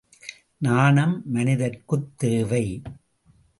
நாணம் மனிதர்க்குத் தேவை!